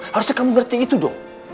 harusnya kamu ngerti itu dong